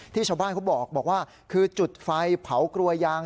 ชาวบ้านเขาบอกว่าคือจุดไฟเผากลัวยาง